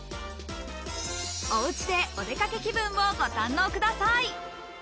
おうちでお出かけ気分をご堪能ください。